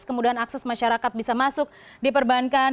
kemudian akses masyarakat bisa masuk di perbankan